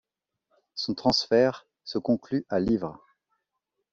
Son transfert se conclut à livres.